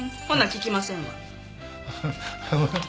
聞きません。